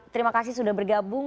terima kasih sudah bergabung